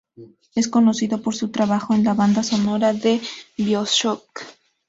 Es conocido por su trabajo en la banda sonora de "BioShock".